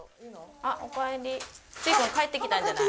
パパ帰ってきたんじゃない？